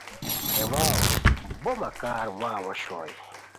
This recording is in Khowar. ہے واؤ بو مکار واؤ اوشوئے